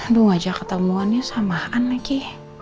aduh aja ketemuannya samaan lagi